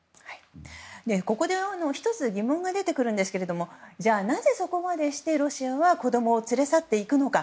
ここで１つ疑問が出てくるんですがなぜ、そこまでしてロシアは子供を連れ去っていくのか。